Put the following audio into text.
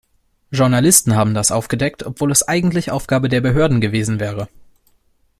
Journalisten haben das aufgedeckt, obwohl es eigentlich Aufgabe der Behörden gewesen wäre.